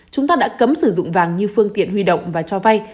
chúng ta đã cấm sử dụng vàng như phương tiện huy động và cho vay